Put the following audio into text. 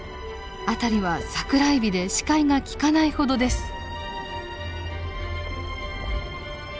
辺りはサクラエビで視界が利かないほどです。